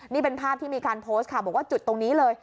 นี่เป็นภาพที่มีการโพสต์ค่ะบอกว่าจุดตรงนี้เลย